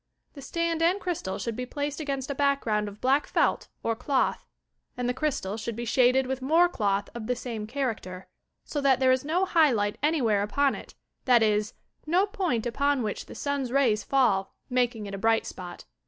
The stand and crjstal should be placed against a background of black felt or clotli, and the crystal should be shaded with mora cloih of the same character, so that there is no high light anywhere upon it, that is, no point upon which the sun 'a rays fall, making it a bright spot.